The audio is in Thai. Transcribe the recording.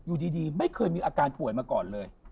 อยู่ดีไม่เคยมีอาการป่วยมาก่อนเลย